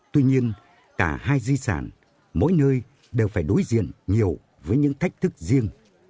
tuy nhiên cả hai di sản mỗi nơi đều phải đối diện nhiều với những thách thức riêng